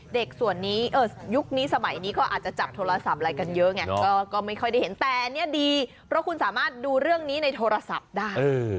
ส่วนนี้ยุคนี้สมัยนี้ก็อาจจะจับโทรศัพท์อะไรกันเยอะไงก็ไม่ค่อยได้เห็นแต่อันนี้ดีเพราะคุณสามารถดูเรื่องนี้ในโทรศัพท์ได้